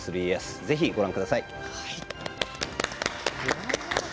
ぜひご覧ください。